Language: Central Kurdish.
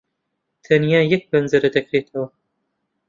تەنیا یەک پەنجەرە دەکرێتەوە.